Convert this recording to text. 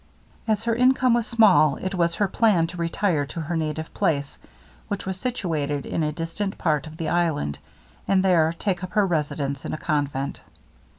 As her income was small, it was her plan to retire to her native place, which was situated in a distant part of the island, and there take up her residence in a convent.